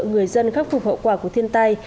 người dân khắc phục hậu quả của thiên tai